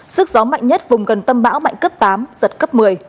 sức gió mạnh nhất vùng gần tâm bão mạnh cấp tám giật cấp một mươi